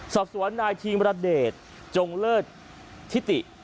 สรรพสวนนายทีมระเด็ดจงเลิศทิติ